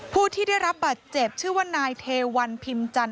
ผู้ที่ได้รับบัตรเจ็บชื่อว่านายเทวันพิมจันท